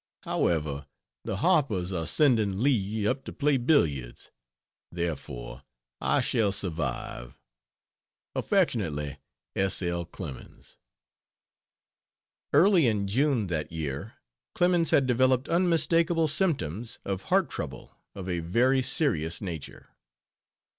However, the Harpers are sending Leigh up to play billiards; therefore I shall survive. Affectionately, S. L. CLEMENS. Early in June that year, Clemens had developed unmistakable symptoms of heart trouble of a very serious nature.